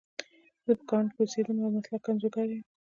زه په ګاونډ کې اوسیدم او مسلکي انځورګره یم